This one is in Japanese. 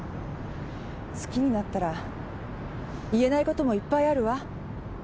好きになったら言えないこともいっぱいあるわ。